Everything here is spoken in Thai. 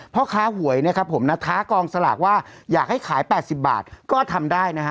พ่อค้าหวยนะครับผมนะท้ากองสลากว่าอยากให้ขาย๘๐บาทก็ทำได้นะฮะ